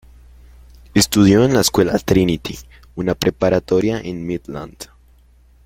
Estudió en la escuela Trinity, una preparatoria en Midland.